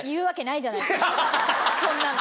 そんなの。